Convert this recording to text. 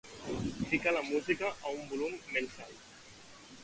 Fica la música a un volum menys alt.